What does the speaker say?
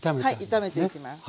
炒めていきます。